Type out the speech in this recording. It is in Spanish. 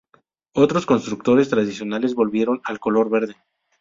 Otros constructores tradicionales volvieron al color verde.